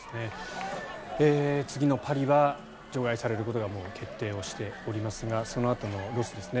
次のパリは除外されることが決定しておりますがそのあとのロスですね